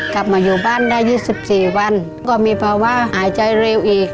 กลับมาอยู่บ้านได้๒๔วันก็มีภาวะหายใจเร็วอีก